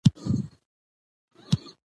د مېلو له برکته نوي فکرونه او نظریات پیدا کېږي.